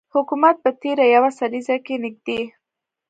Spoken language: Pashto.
حکومت په تیره یوه لسیزه کې نږدې